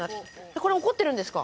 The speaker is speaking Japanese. これ怒ってるんですか？